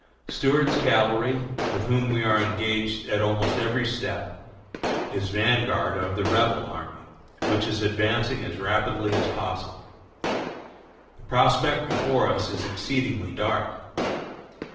Stuart's cavalry, with whom we are engaged at almost every step, is vanguard of the Rebel army, which is advancing as rapidly as possible. The prospect before us is exceedingly dark.